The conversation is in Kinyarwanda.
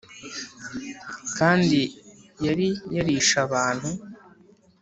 kandi yari yarishe abantu.